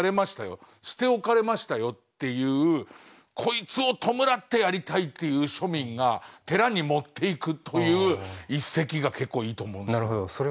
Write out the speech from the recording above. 捨て置かれましたよっていうこいつを弔ってやりたいっていう庶民が寺に持っていくという一席が結構いいと思うんですけど。